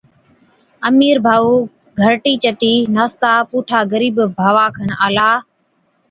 امِير ڀائُو گھَرٽِي چتِي ناستا پُوٺا غرِيب ڀاوا کن آلا،